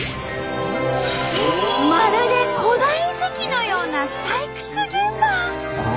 まるで古代遺跡のような採掘現場！